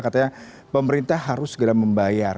katanya pemerintah harus segera membayar